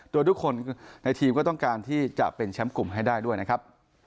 โดยทุกคนในทีมก็ต้องการที่จะเป็นแชมป์กลุ่มให้ได้ด้วยนะครับ